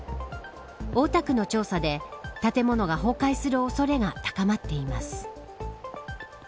大田区の調査で建物が崩壊する恐れが高まっています。